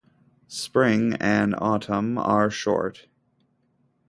Spring and autumn are short.